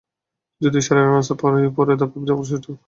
যদিও সেরা রানার্সআপ হয়েও পরের ধাপে যাওয়ার সুযোগ থাকবে জর্ডানের সামনে।